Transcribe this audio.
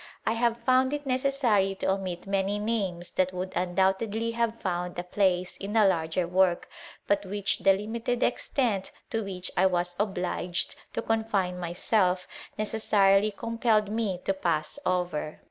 I have found it necessary to omit man names that would undoubtedly have found a place in larger work, but which the limited extent to which was obliged to confine myself, necessarily compelh me to pass over.